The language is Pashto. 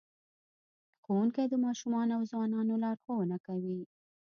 ښوونکی د ماشومانو او ځوانانو لارښوونه کوي.